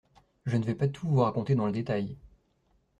Je ne vais pas tout vous raconter dans le détail.